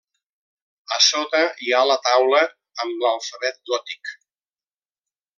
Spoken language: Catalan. A sota hi ha la taula amb l'alfabet gòtic.